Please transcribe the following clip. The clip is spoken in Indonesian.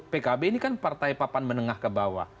pkb ini kan partai papan menengah ke bawah